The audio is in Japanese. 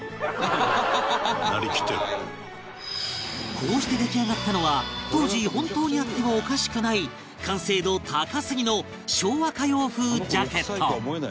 こうして出来上がったのは当時本当にあってもおかしくない完成度高すぎの昭和歌謡風ジャケット